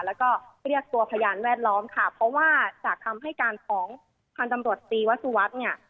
แล้วก็เรียกตัวพยานแวดล้อมค่ะเพราะว่าจากคำให้การของพันธุ์ตำรวจตีวัสสุวัสดิ์เนี่ย